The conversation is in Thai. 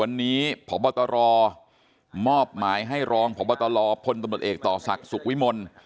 วันนี้พบตรมอบหมายให้รองพบตลพลตำรวจเอกต่อศักดิ์สุขวิมล